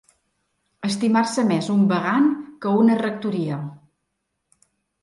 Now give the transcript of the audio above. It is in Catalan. Estimar-se més un vagant que una rectoria.